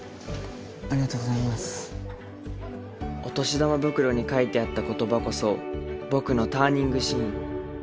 お年玉袋に書いてあった言葉こそ僕のターニングシーン